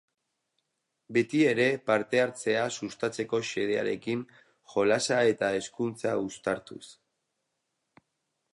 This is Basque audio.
Beti ere parte-hartzea sustatzeko xedearekin, jolasa eta hezkuntza uztartuz.